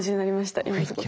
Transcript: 今すごく。